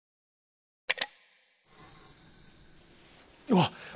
うわっ！